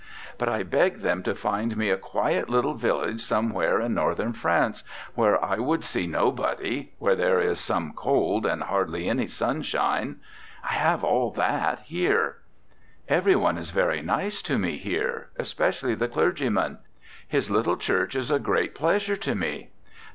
But I begged them to find me a quiet little village somewhere in Northern France, where I would see no body, where there is some cold and hardly any sunshine. I have all that, here. "Everyone is very nice to me here, especially the clergyman. His little church is a great pleasure to me.